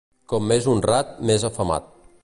Com més honrat més afamat.